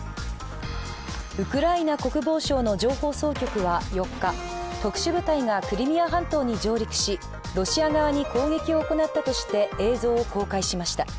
ウクライナ国防省の情報総局は４日、特殊部隊がクリミア半島に上陸しロシア側に攻撃を行ったとして映像を公開しました。